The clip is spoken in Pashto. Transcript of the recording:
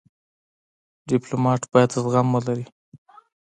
ډيپلومات باید زغم ولري.